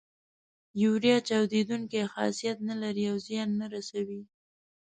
یوریا چاودیدونکی خاصیت نه لري او زیان نه رسوي.